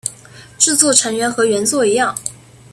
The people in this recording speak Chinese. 制作成员和原作一样。